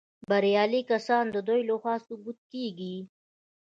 بریالي کسان د دوی لخوا ثبت کیږي.